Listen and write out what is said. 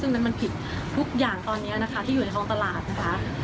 ซึ่งนั้นมันผิดทุกอย่างตอนนี้นะคะที่อยู่ในท้องตลาดนะคะ